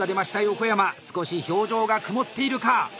横山少し表情が曇っているか。